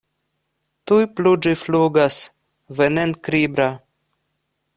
Tuj plu ĝi flugas, venenkribra.